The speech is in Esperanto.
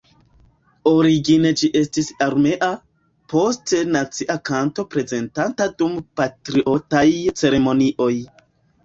Origine ĝi estis armea, poste nacia kanto prezentata dum patriotaj ceremonioj.